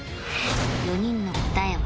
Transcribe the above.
４人の答えは